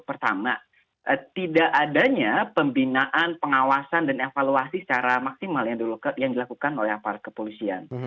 pertama tidak adanya pembinaan pengawasan dan evaluasi secara maksimal yang dilakukan oleh aparat kepolisian